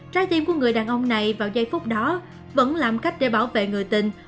trái tim của người đàn ông này vào giây phút đó vẫn làm cách để bảo vệ người tình